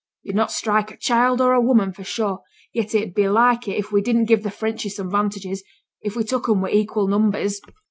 'Yo'd not strike a child or a woman, for sure! yet it 'ud be like it, if we did na' give the Frenchies some 'vantages if we took 'em wi' equal numbers.